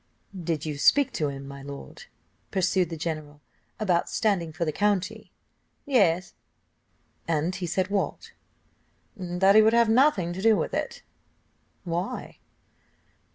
"Did you speak to him, my lord," pursued the general, "about standing for the county?" "Yes." "And he said what?" "That he would have nothing to do with it." "Why?"